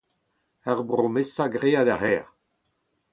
Ur bromesa graet a-herr.